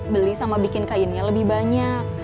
beli sama bikin kainnya lebih banyak